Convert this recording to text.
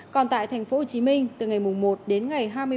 còn tại tp hcm từ ngày một đến ngày hai mươi ba chín